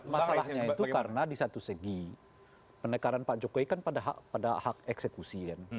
masalahnya itu karena di satu segi pendekaran pak jokowi kan pada hak eksekusi kan